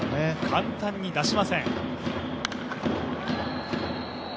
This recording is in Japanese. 簡単に出しません。